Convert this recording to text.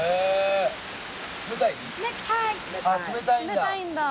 冷たいんだ。